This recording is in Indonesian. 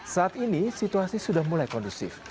saat ini situasi sudah mulai kondusif